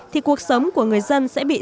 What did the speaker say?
thì cuộc sống của người dân sẽ bị sạch